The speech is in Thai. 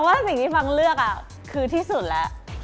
คิดว่าเป็นสิ่งที่เฟ้ชอบมาก